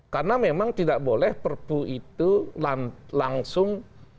karena memang tidak boleh perpu itu langsung